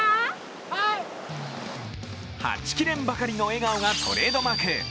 はちきれんばかりの笑顔がトレードマーク。